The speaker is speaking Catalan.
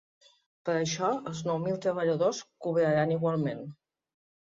Per això els nou mil treballadors cobraran igualment.